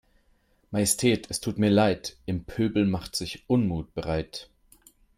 Majestät es tut mir Leid, im Pöbel macht sich Unmut breit.